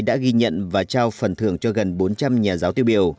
đã ghi nhận và trao phần thưởng cho gần bốn trăm linh nhà giáo tiêu biểu